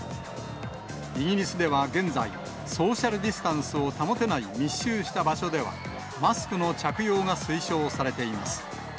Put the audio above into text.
イギリスでは現在、ソーシャルディスタンスを保てない密集した場所では、マスクの着用が推奨されています。